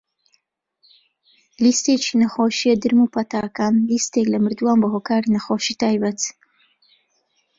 لیستێکی نەخۆشیە درم و پەتاکان - لیستێک لە مردووان بەهۆکاری نەخۆشی تایبەت.